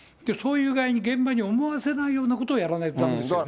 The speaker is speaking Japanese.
そういう具合に現場に思わせないようにやらないとだめですよね。